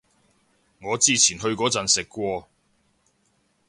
我之前去嗰陣食過